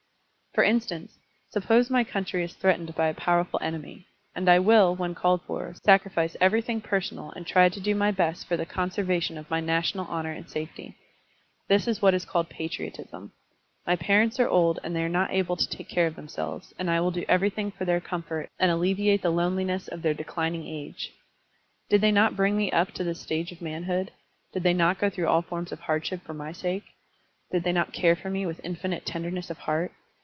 For instance, suppose my coimtry is threatened by a powerful enemy, and I will, when called for, sacrifice everything personal and try to do my best for the conservation of my national honor and safety. This is what is called patriotism. My parents are old and they are not able to take care of themselves, and I will do everything for their comfort and alleviate the loneliness of their declining age. Did they not bring me up to this st£ige of manhood? Did they not go through all forms of hardship for my sake? Did they not care for me with infinite tenderness of heart?